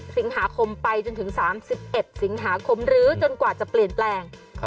สิงหาคมไปจนถึง๓๑สิงหาคมหรือจนกว่าจะเปลี่ยนแปลง